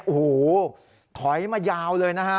โอ้โหถอยมายาวเลยนะฮะ